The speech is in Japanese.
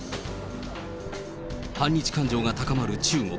反日感情が高まる中国。